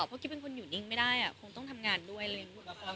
เพราะกิ๊บเป็นคนหยุดนิ่งไม่ได้อ่ะคงต้องทำงานด้วยเลย